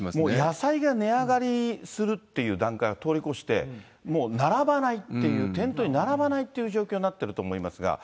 野菜が値上がりするっていう段階は通り越して、もう並ばないっていう、店頭に並ばないっていう状況になってると思いますが。